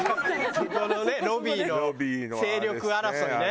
そこのねロビーの勢力争いね。